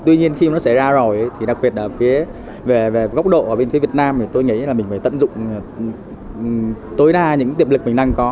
tuy nhiên khi nó xảy ra rồi thì đặc biệt ở phía về góc độ ở bên phía việt nam thì tôi nghĩ là mình phải tận dụng tối đa những tiềm lực mình đang có